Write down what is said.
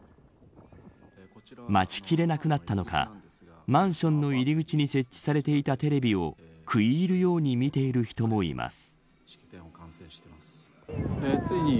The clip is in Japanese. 待ちきれなくなったのかマンションの入り口に設置されていたテレビを食い入るように見ている人もいます。